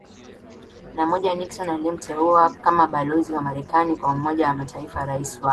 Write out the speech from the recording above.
na moja Nixon alimteua kama balozi wa Marekani kwa Umoja wa MataifaRais wa